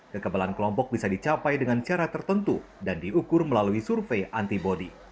kekebalan kelompok bisa dicapai dengan cara tertentu dan diukur melalui survei antibody